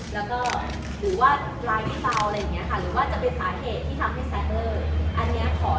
เป็นแชทอะไรนะคือแชทที่หลุดมาที่ล่าสุดที่ทุกคนเห็นกันว่าน้อง